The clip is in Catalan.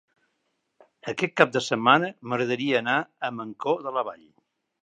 Aquest cap de setmana m'agradaria anar a Mancor de la Vall.